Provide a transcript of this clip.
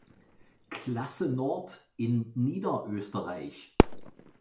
Klasse Nord in Niederösterreich.